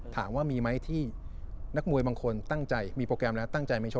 ถามว่ามีไหมที่นักมวยบางคนตั้งใจมีโปรแกรมแล้วตั้งใจไม่ชอบ